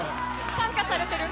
感化されてる。